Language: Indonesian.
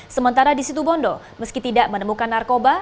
sementara di situ bondo meski tidak menemukan narkoba